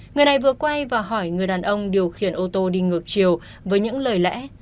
người này vừa quay và hỏi người đàn ông điều khiển ô tô đi ngược chiều với những lời lẽ